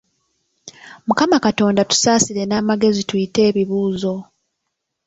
Mukama Katonda tusaasire n'amagezi tuyite ebibuuzo.